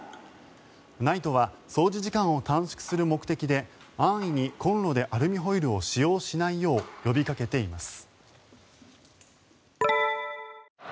ＮＩＴＥは掃除時間を短縮する目的で安易にコンロでアルミホイルを使用しないよう呼びかけています。